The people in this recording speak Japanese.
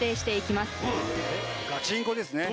ガチンコですね。